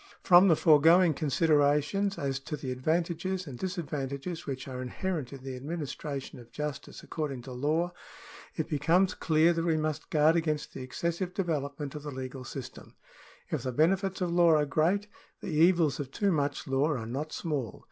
From the foregoing considerations as to the advantages and disadvantages which are inherent in the administration of justice according to law, it becomes clear that we must guard against the excessive development of the legal system. If the benefits of law are great, the evils of too much law are not small.